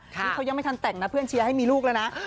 นี่เขายังไม่ทันแต่งนะเพื่อนเชียร์ให้มีลูกแล้วนะ